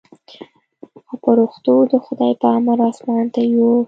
خو پرښتو د خداى په امر اسمان ته يووړ.